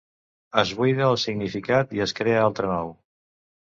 Es buida el significat i es crea altre nou.